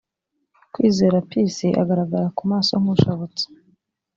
Kwizera Peace agaragara ku maso nk’ushabutse